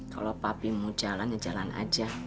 kalau papi mau jalan jalan saja